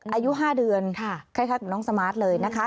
อายุ๕เดือนคล้ายกับน้องสมาร์ทเลยนะคะ